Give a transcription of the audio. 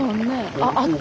あっあっつ！